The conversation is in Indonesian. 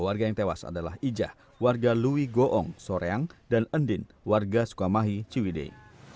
warga yang tewas adalah ijah warga lui goong soreang dan endin warga sukamahi ciwidei